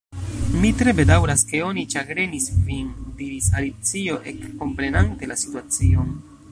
"Mi tre bedaŭras ke oni ĉagrenis vin," diris Alicio, ekkomprenante la situacion.